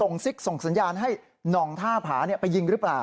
ส่งสิทธิ์ส่งสัญญาณให้นองท่าผาไปยิงหรือเปล่า